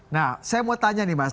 nah saya mau tanya nih mas